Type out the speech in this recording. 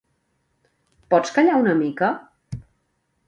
Pots callar una mica?